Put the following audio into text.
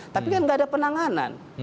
tapi kan nggak ada penanganan